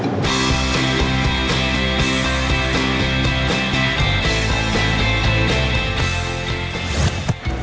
อืม